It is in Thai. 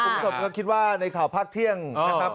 ผมคิดว่าในข่าวพักเที่ยงนะครับ